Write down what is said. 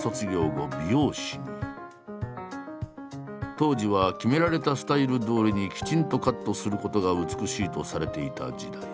当時は決められたスタイルどおりにきちんとカットすることが美しいとされていた時代。